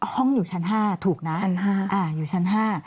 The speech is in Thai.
ห้องอยู่ชั้น๕ถูกนะชั้น๕อยู่ชั้น๕